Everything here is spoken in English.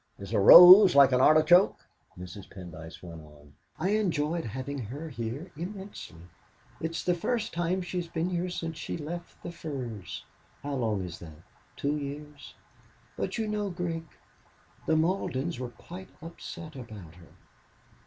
Is a rose like an artichoke?" Mrs. Pendyce went on: "I enjoyed having her here immensely. It's the first time she's been here since she left the Firs. How long is that? Two years? But you know, Grig, the Maldens were quite upset about her.